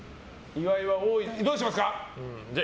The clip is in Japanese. どうしますか。